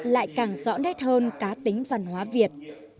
lại càng rõ nét hơn cá tính văn hóa việt